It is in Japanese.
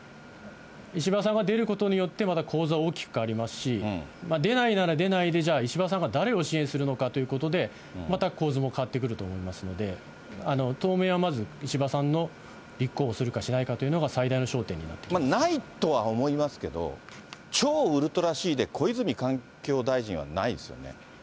石破さんが出ることによって、また構図は大きく変わりますし、出ないなら出ないで、じゃあ、石破さんが誰を支援するのかということで、また構図も変わってくると思いますので、当面はまず、石破さんの立候補するかしないかというのが最大の焦点になってきないとは思いますけど、超ウルトラＣで、小泉環境大臣はないですよね。